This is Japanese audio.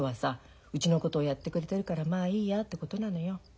うちのことをやってくれてるからまあいいやってことなのよ。